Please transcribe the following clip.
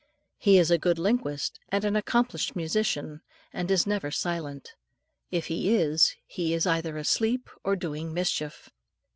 He is a good linguist and an accomplished musician, and is never silent if he is, he is either asleep or doing mischief.